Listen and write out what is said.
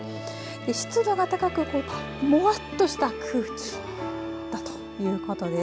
湿度が高くもわっとした空気だということです。